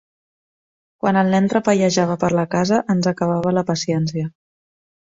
Quan el nen trapellejava per la casa ens acabava la paciència.